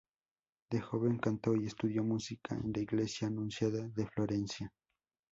De joven cantó y estudió música en la iglesia Anunciada de Florencia.